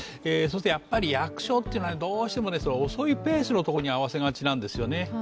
そしてやっぱり役所はどうしても遅いペースのところに合わせがちなんですよね。